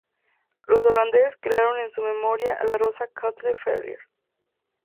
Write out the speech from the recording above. Los holandeses crearon en su memoria la "Rosa Kathleen Ferrier".